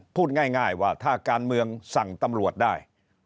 พูดง่ายว่าถ้าการเมืองสั่งตำรวจได้